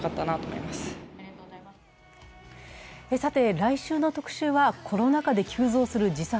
来週の「特集」はコロナ禍で急増する自殺。